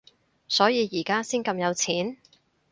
所以而家先咁有錢？